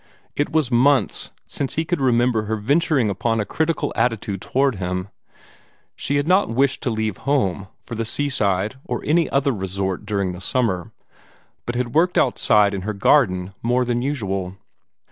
It was months since he could remember her venturing upon a critical attitude toward him. She had not wished to leave home, for the seaside or any other resort, during the summer, but had worked outside in her garden more than usual.